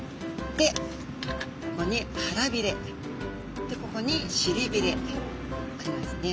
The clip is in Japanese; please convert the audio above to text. でここに腹びれここに尻びれありますね。